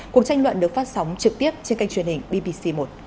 cuộc tranh luận được phát sóng trực tiếp trên kênh truyền hình bbc một